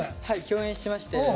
はい共演しまして。